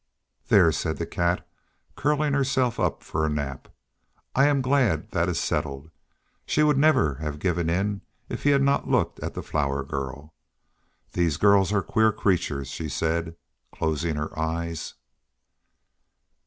"There," said the Cat, curling herself up for a nap, "I am glad that is settled. She never would have given in if he had not looked at the Flower Girl. These girls are queer creatures," she said, closing her eyes.